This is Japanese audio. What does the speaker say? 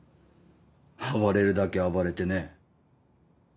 暴れるだけ暴れてね。